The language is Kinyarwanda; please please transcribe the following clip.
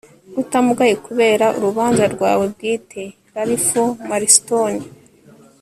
utamugaye kubera urubanza rwawe bwite - ralph marston